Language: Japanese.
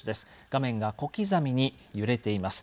画面が小刻みに揺れています。